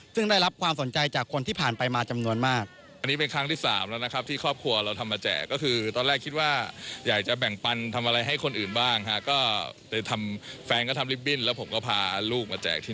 ซึ่งได้รับความสนใจจากคนที่ผ่านไปมาจำนวนมาก